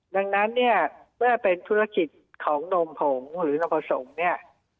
ดังนั้นเนี่ยเมื่อเป็นธุรกิจของนมผงหรือนมผสมเนี่ย